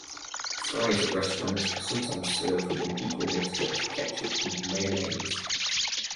Fries at restaurants are sometimes served with an equal mixture of ketchup and mayonnaise.